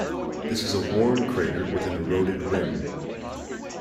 This is a worn crater with an eroded rim.